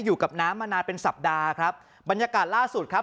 อยู่กับน้ำมานานเป็นสัปดาห์ครับบรรยากาศล่าสุดครับ